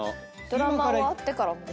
ドラマ終わってからも。